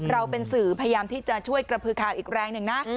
เราเป็นสื่อพยายามที่จะช่วยกระพือข่าวอีกแรงหนึ่งนะ